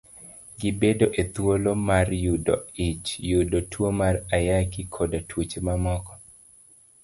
Gibedo e thuolo mar yudo ich, yudo tuo mar Ayaki, koda tuoche mamoko.